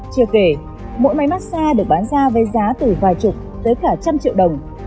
chưa kể mỗi máy mát xa được bán ra với giá từ vài chục tới cả trăm triệu đồng